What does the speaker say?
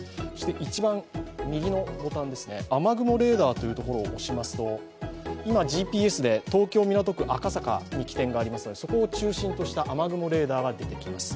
１番右のボタン、雨雲レーダーというボタンを押しますと今ＧＰＳで東京・港区赤坂にいますがそこを中心とした雨雲レーダーが出てきます。